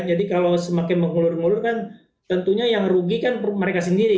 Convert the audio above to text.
jadi kalau semakin mengulur mengulur kan tentunya yang rugi kan mereka sendiri